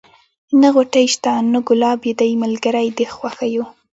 نه غوټۍ سته نه ګلاب یې دی ملګری د خوښیو